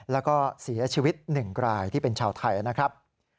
แล้วก็เสียชีวิต๑รายที่เป็นชาวไทยนะครับ